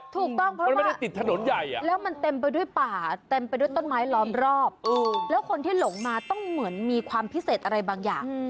ถูกต้องเพราะมันไม่ได้ติดถนนใหญ่แล้วมันเต็มไปด้วยป่าเต็มไปด้วยต้นไม้ล้อมรอบแล้วคนที่หลงมาต้องเหมือนมีความพิเศษอะไรบางอย่าง